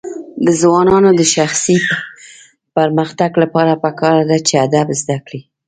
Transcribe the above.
د ځوانانو د شخصي پرمختګ لپاره پکار ده چې ادب زده کړي.